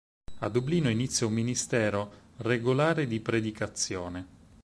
A Dublino inizia un ministero regolare di predicazione.